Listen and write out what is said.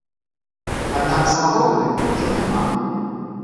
Аднак самога будынка ўжо няма.